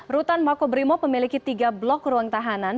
rutan mako brimob memiliki tiga blok ruang tahanan